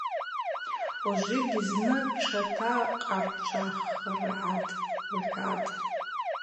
Ужвыгьи зны тшатакъарчӏваххыргӏатӏ, – лхӏватӏ.